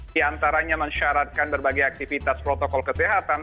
diantaranya mensyaratkan berbagai aktivitas protokol kesehatan